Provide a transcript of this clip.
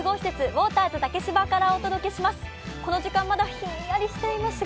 ウォーターズ竹芝からお伝えしています。